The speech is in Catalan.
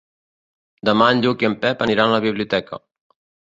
Demà en Lluc i en Pep aniran a la biblioteca.